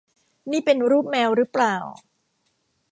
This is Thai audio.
นี่เป็นรูปแมวรึเปล่า